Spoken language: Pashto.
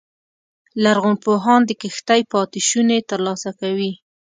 لرغونپوهان د کښتۍ پاتې شونې ترلاسه کوي